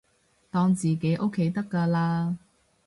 當自己屋企得㗎喇